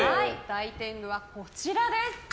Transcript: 大天狗はこちらです。